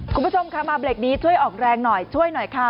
คุณผู้ชมค่ะมาเบรกนี้ช่วยออกแรงหน่อยช่วยหน่อยค่ะ